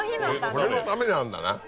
これのためにあるんだな。